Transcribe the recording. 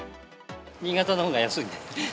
新潟のほうが安いんで。